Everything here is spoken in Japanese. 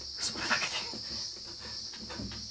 それだけで